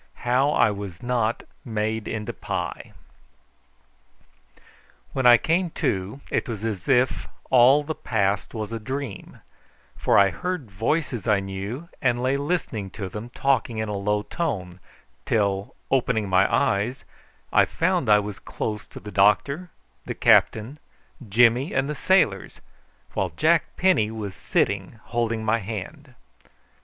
HOW I WAS NOT MADE INTO PIE. When I came to, it was as if all the past was a dream, for I heard voices I knew, and lay listening to them talking in a low tone, till, opening my eyes, I found I was close to the doctor, the captain, Jimmy, and the sailors, while Jack Penny was sitting holding my hand.